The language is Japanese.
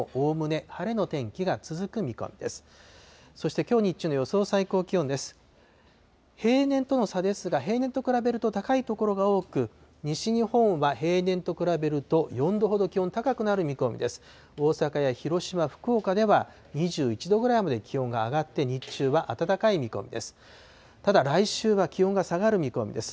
大阪や広島、福岡では、２１度ぐらいまで気温が上がって、日中は暖かい見込みです。